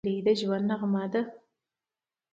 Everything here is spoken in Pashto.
نجلۍ د ژونده نغمه ده.